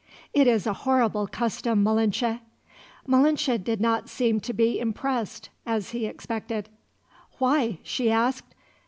"It is a horrible custom, Malinche." Malinche did not seem to be impressed, as he expected. "Why?" she asked.